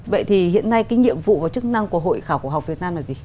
vậy thì hiện nay cái nhiệm vụ và chức năng của hội khảo cổ học việt nam là gì